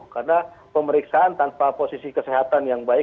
karena pemeriksaan tanpa posisi kesehatan yang baik